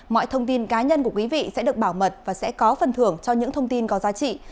mọi thông tin cá nhân của quý vị sẽ được bảo mật và sẽ có phần thưởng cho những thông tin có giá trị